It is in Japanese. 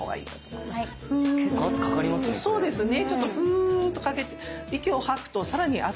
そうですね。